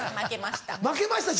負けました。